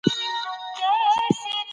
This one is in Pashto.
د لمر وړانګې روغتیا ته ګټورې دي.